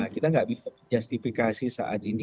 kita nggak bisa menjustifikasi saat ini